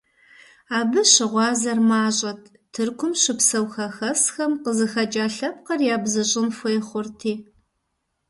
Абы щыгъуазэр мащӀэт, Тыркум щыпсэу хэхэсхэм къызыхэкӀа лъэпкъыр ябзыщӀын хуей хъурти.